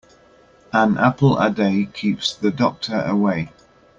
An apple a day keeps the doctor away.